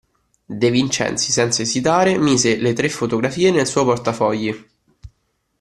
De Vincenzi, senza esitare, mise le tre fotografie nel suo portafogli.